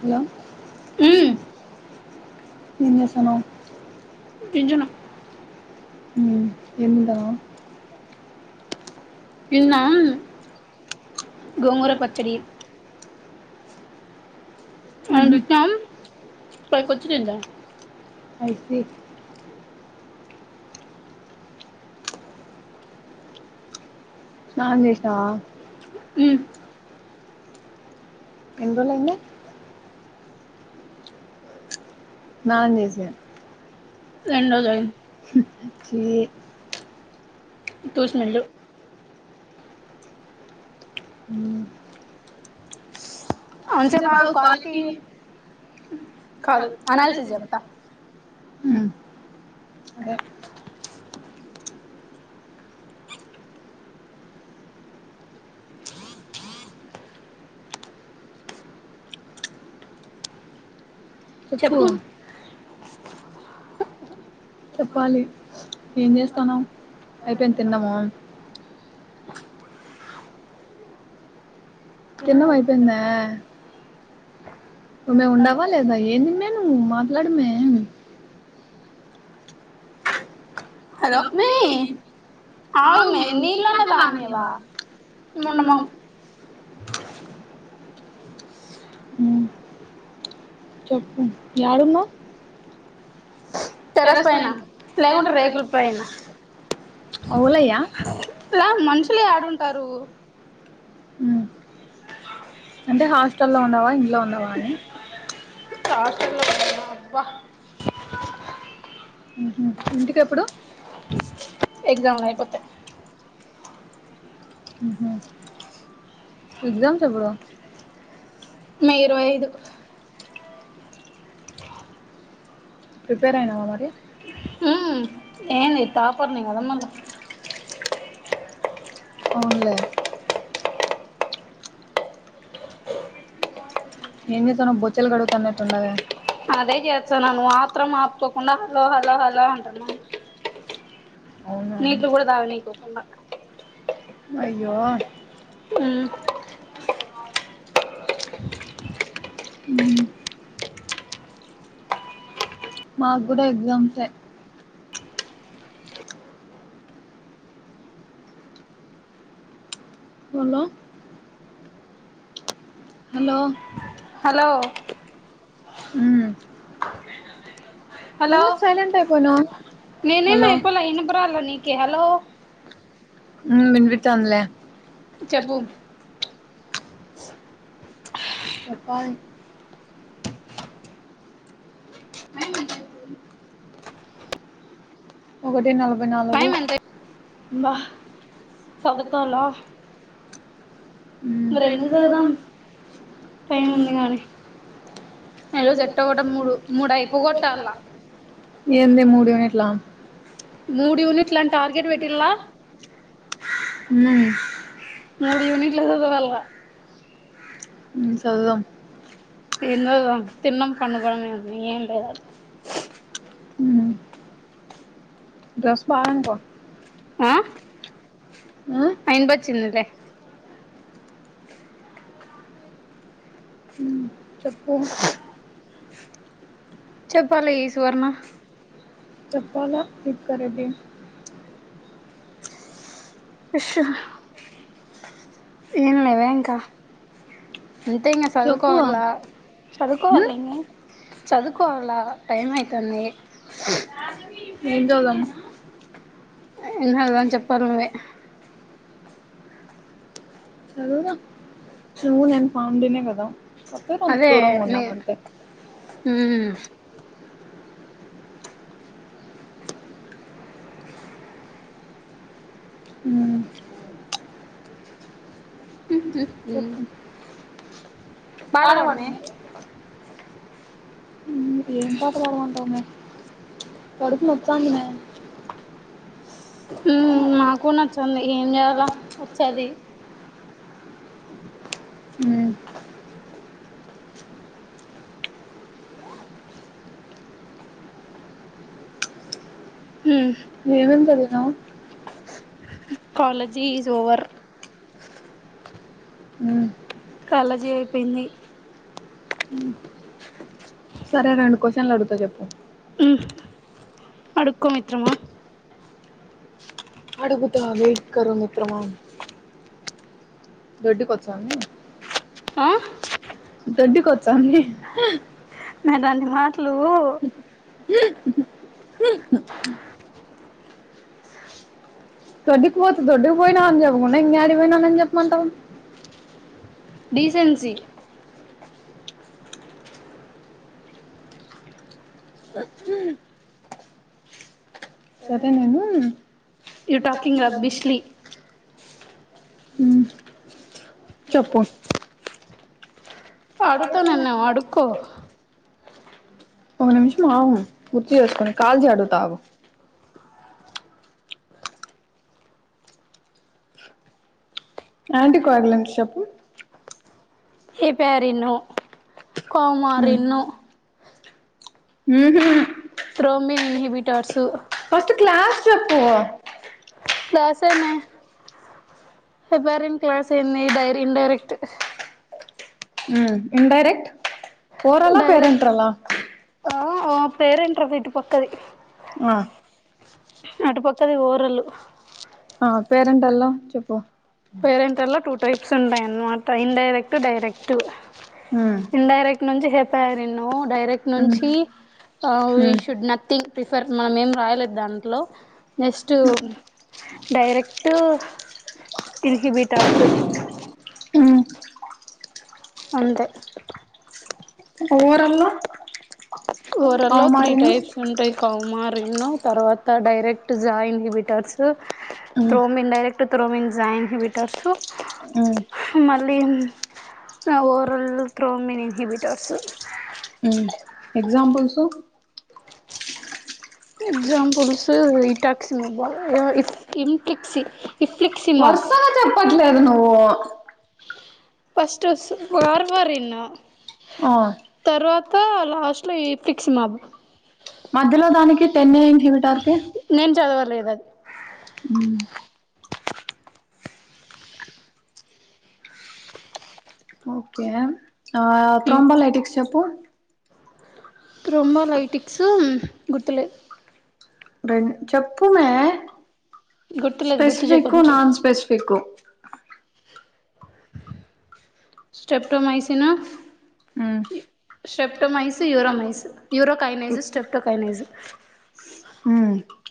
Hello ఉ ఏం చేస్తన్నావు విజును ఉ ఏముండవ తిన్నాం గోంగూర పచ్చడి అందుక పైకొచ్చి తింటా పైకి స్నానం చేసినావా హ్మ్ ఎన్ని రోలు అయింది స్నానం చేసి చీ తూ స్మైలు అంటే భ క్వాలిటీ హ్మ్ చెప్పు చెప్పాలి ఏం చేస్తాను అయిపోయిన తిన్నాము తిన్న వైపోందా మే ఉండవా లేదా ఏంది మే ను మాట్లాడమే హలో మే ఆ మన్నీలోన్న దాన్వా మనమ యాడ్ ఉన్నావ్ ఆవులయ ఇలా మనుషులే ఆడుంటారు హ్మ్ అంటే హాస్ట లో ఉంనావా ఇంట్లో ఉంనావా అని హస్టల్ లో అబ్బా ఇంటికెప్పుడు ఎజామ్ యిపోతాయి ఎగ్జామ్ ఏప్పుడు మే ఇరవై ఐదు ప్రిపేర్ అయినావా మరి హ్మ్ ఏందీ టాపర్నీ కథ అవునులే ఎన్నితన బొచ్చల్ కడుగున్నట్ండద అదే చేస్తాన్నాన్న మాత్రం ఆపుకోకుండా హలో హలో హలో అంటున్నావ్ నీట్లు కూడా దావ నీకో కుండా అయ్యో హ్మ్ మాకు కూడా ఎగ్జామ్సే హలో హలో హలో మ్మ్ ఎందుకు సైలెంట్ అయిపోయినావ్ హలో మ్మ్ విన్పితానులే చెప్పు చెప్పాలి ఒకటి నలభై నాలుగు సవతంలా రన్ని సద టై ఉన్న కాని నలో చెట్టు కూడా మూడు మూడు అయిపో కొట్టాలా ఎంతే మూడు యూనిట్ లా మూడు యూనిట్ అని టార్గెట్ పెట్టిలా హ్మ్ ముడు యూనిట్లదదవాల చదువుధమ్ ఎన్నో తిన్నం పన్నకోడమే ఏం లేద డ్రెస్ బా అనుకో ఆ చిన్నలే చెప్పు చెప్పాలి ఈ సువర్ణ చెప్పాలా దీపిక రెడ్డి ఇషు ఏం లేదా ఇంక అంతే ఇంగ చదువుకోవాల చదువుకోవాల టైం అయితాంది ఏం చదువుదాం [unintelligible] చెప్పాలి నువ్వే నువ్వు నేను ఫార్మ్ డి నే కదాం చేప్పే కొంత దూరంగుందాం అంతే హ్మ్ మ్ మ్ హు పాట పాడునే ఏం పాట పాడమంటావు మే కడుపు నొత్తాంది మే హ్మ్ నాకు నచ్చంది ఏం చేయాలా వచ్చాది హ్మ్ ఏం ఏం చదివినావ్ కాలెజీ ఈజ్ ఓవర్ కాలెజీ అయిపోయింది. సరే రెండు క్వశ్చన్లు అడుగుతా చెప్పు. అడుకో మిత్రమా. అడుగుతా వెయిట్ కరో మిత్రమా. దొడ్డికో వచ్చాంది ఆ దొడ్డికి వచ్చాంది నాటంటి మాటలు దొడ్డికి పోతె దొడ్డికి పోయినా అని చెప్పకుండా ఇంగా యాడికిపోయినా అని చెప్పమంటావ్ డీసెన్సీ సరే నేను యూ టాకింగ్ రబ్బిష్లీ. హ్మ్ చెప్పు అడుగుతానన్నావ్ అడుకో నిమిషం ఆగు గుర్తు చేసుకొని కాల్చీ అడుగుతా ఆగు యాంటీ ప్రోల్మ్స్ చెప్పు ఏపేరినో కౌమరినో హ్మ్ హు త్రోబిన్ ఇన్హిబిటర్సు. ఫస్ట్ క్లాస్ చెప్పు. క్లాస్ ఏమి అప్పరెంట్ క్లాసెంది డైరి ఇన్డైరెక్ట్. హ్మ్ ఇన్డైరెక్ట్ పోరాల పేరెంట్రల. పేరెంట్రల్ ఇటు పక్కది. ఆ అటుపక్కది ఓరలు పేరెంటల్ల చెప్పు పేరెంటల్ల టూ టైప్స్ ఉంటాయన్నమాట ఇన్డైరెక్ట్, డైరెక్ట్. ఇన్డైరెక్ట్ నుంచి హెప్పయరిన్ డైరెక్ట్ నుంచి వి షుడ్ నథింగ్ ప్రిఫర్ మనం ఏం రాయాలేదు దాంట్లో నెక్స్ట్ డైరెక్ట్ ఇరుహి బీటార్స్ అంతే ఓరల్లో ఒరల్లో త్రీ టైప్స్ ఉంటయి కౌమార్ రిన్ తర్వాత డైరెక్ట్ జా inhibitors thrombin direct to త్రో మీన్స్ జయిన్ ఇన్హిబిటర్స్ ఉమ్ ల్లీన్ oral thrombin inhibitors um examples. Examples ఈ టాక్స్ ఇన్ ఒ ఇన్ కిక్సీ వరుసగా చెప్పట్లేదు నువ్వు ఫస్ట్ స్ వార్వరిన్ ఆ త లాస్ట్ లో ఎ ఫిక్స్ మాబ్ మధ్యలో దానికి టన్నయిం నేను చదవాలేదు అది ఉమ్ ఓకే ఆ తోంబలైటిక్స్ చెప్పు త్రోంబలైటిక్స్ గుర్తులే రెం చెప్పుమే స్పెసిఫిక్ నాన్ స్పెసిఫిక్ స్టెప్టోమైసిన్ ఉమ్ స్టెప్టోమైస్ యూరోమైస్ యూరోకైైనైజు స్ట్రెప్టోకైనైజు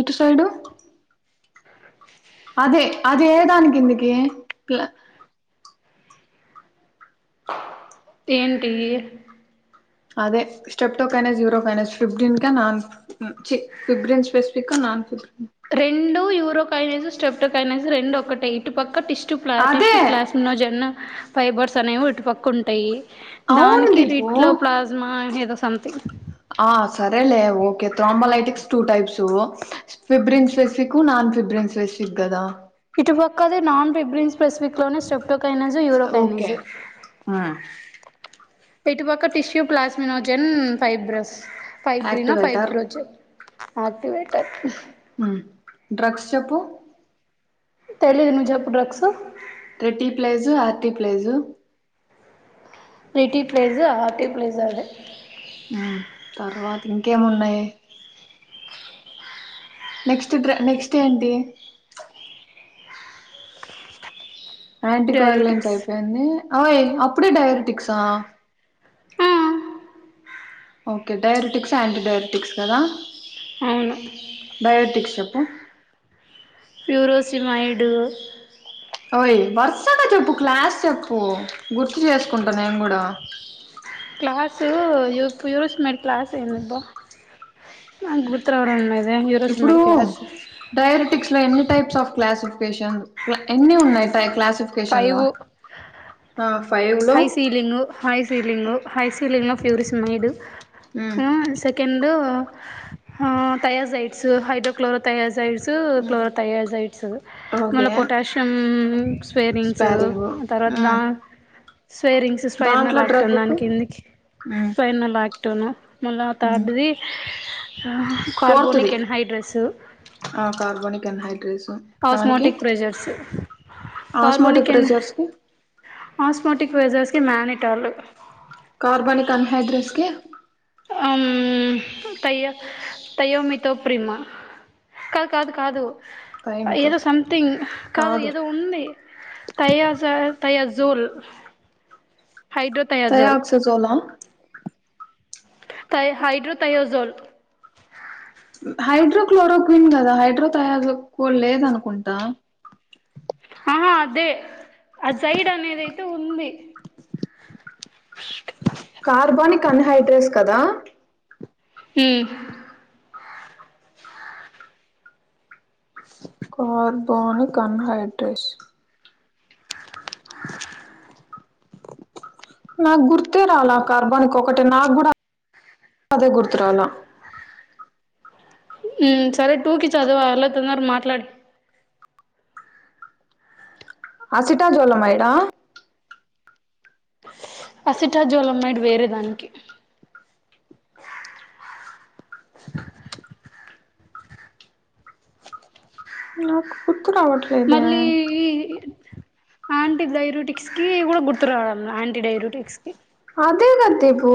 ఎటు సైడు అదే అది ఏ దానికి ఇందికి క్ల ఏంటి అదే స్టెప్టోకైనాజు యురోకైనజు ఫిఫ్టీన్ క నాన్ చి ఫిబ్రిన్ స్పెసిఫిక్ నాన్ ఫిబ్రిక్ [unintelligible] స్టెప్ కైనైస్ రెండు ఒకటటి ఇటు పక్క టిష్యూ ప్లా టిష్యూ ప్లాస్ నో జొన్న ఫైబర్స్ అనేవి ఇటుపక్క ఉంటాయి దానికి రీట్ లో ప్లాజ్మా ఏదో సంథింగ్ సరేలే okay thrombolytics two types fibrin specific non fibrin స్పెసిఫ సిగ్గదా ఇటు పక్కది నాన్ ఫిబ్రిన్స్ స్పెసిఫిక్ లోనే స్టెప్ టోకైనిస్ యూరోకైనిస్ ఇటుపక్క టిష్యూ ప్లాస్మినోజెన్ ఫైబ్రస్ ఫైబ్రినా ఫైబ్రోజన్ ఆక్టివేటర్ ఉమ్ డ్రగ్స్ చెప్పు తెలీదు నువ్వు చెప్పు డ్రగ్స్ త్రేటి ప్లేజు ఆర్టీ ప్లేజు త్రెటి ప్లేస్ ఆర్టీటివ్ ప్లేస్ అదే ఉమ్ తర్వాత ఇంకేమున్నాయి నెక్స్ట్ ట్రే నెక్స్ట్ ఏంటి అంటిక్ వేలన్స్ అయిపోయయాంది ఓయ్ అప్పుడే డయాబెటిక్సా ఓకే డైరటిక్స్ యాంటీ డైరెటిక్స్ కదా అవును ఆ ప్యూరోసిమైడు ఓయ్ వరుసగా చెప్పు క్లాస్ చెప్పు గుర్తు చేసుకుంటా నేను కూడా క్లాసూ యుఫ్ యూస్ మై క్లాస్ ఇనుపో నా గుర్తు రావడం లేదే యూరోసిన్ మై క్లాస్ డైరెటిక్స్ లో ఎన్ని టైప్స్ ఆఫ్ క్లాసిఫికేషన్ల్ ఇవ ఎన్ని ఉన్నాయ్ టై క్లాస్ ఇఫ్కేషన్లు high ceiling high ceiling high సీలింగ్లో ఫ్యూరిస్ మైడు ఉ కెండ్ హా థయాసైడ్స్ హైడ్రోక్లోరోథయాసైడ్స్ సూ క్లో థయాజైడ్స్ మళ్ళ పొటాష్యం ఇన్స్ ఆ తర్వ దా స్వేరింగ్స్ స్పైర్న లాక్టోన్ దాని కిందికి స్పైనలాక్ టునో మళ్ళా తాడ్డుది ఆ carbonic anhydrase osmotic pressures osmotic pressures కి ఆస్మోటిక్ వెజర్స్కి మ్యానిటాలు కార్బానిక్ అన్ హైడ్రెస్ కి అమ్ తయ్యో తయ్యోమితోప్రీమ కాద్ కాదు కాదు ఏదో సంథింగ్ కాదు ఏదో ఉంది తయాజ తయాజ్ జూల్ తయా ఆక్సజోలా థై హైడ్రోథాయోజోల్ క్లోరోక్విన్ గదా హైడ్రోథయాజుకుల్ లేదనుకుంటా అహా అదే ఆ సైడ్ అనేది అయితే ఉంది కార్బానిక్ అన్ హైడ్రేస్ కదా హూ కార్బానిక్ అన్ హైడ్రేస్ నా గుర్తే రాలా కార్బనీక్ ఒకటి నాకు గూడా అదే గుర్తురాలా ఊ సరే టూకి చదువా అలా తొందర మాట్లాడి అసిటా జోలమైడా అసిటా జోలమైడ్ వేరే దానికి మళ్ళీ ఈ ఇ ఆంటి డైరుటిక్స్ కి కూడా గుర్తు రావడం లా యాంటీ డైరుటిక్స్ కి అదే గ దీపూ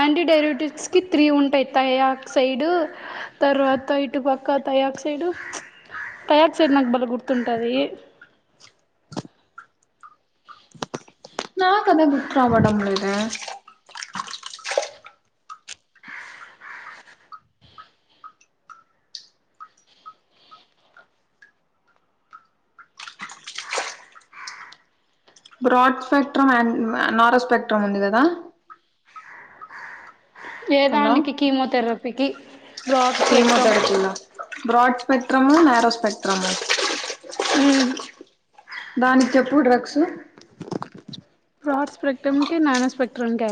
ఆంటీ డైరుటిక్స్ కి త్రీ ఉంటయ్ థై ఆక్సైడ్ తర్వాత ఇటుపక్క థై ఎ ఆక్సైడ్ టైయాక్సైడ్ నాకు బల గుర్తుంటదీ నాక్ అదే గుర్తు రావడం లేదే బ్రాడ్ స్పెక్ట్రమ్ అండ్ నారోస్పెక్ట్రమ్ ఉంది గదా ఏదానికి కీమోథెరపికి కీమోతెరపినొ బ్రాడ్ స్పెక్ట్రము నారో స్పెక్ట్రము ఉ పు డ్రగ్సు ప్రాడ్ స్పెక్ట్రమ్ కి నానో స్పెక్ట్రమ్ కేమొ